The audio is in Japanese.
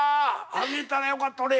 あげたらよかった俺。